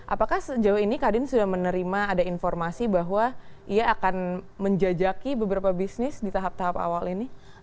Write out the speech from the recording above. apakah sejauh ini kadin sudah menerima ada informasi bahwa ia akan menjajaki beberapa bisnis di tahap tahap awal ini